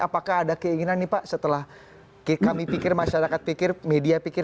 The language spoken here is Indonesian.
apakah ada keinginan nih pak setelah kami pikir masyarakat pikir media pikir